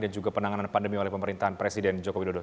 juga penanganan pandemi oleh pemerintahan presiden joko widodo